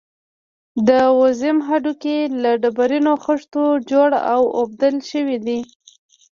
د موزیم هډوکي له ډبرینو خښتو جوړ او اوبدل شوي دي.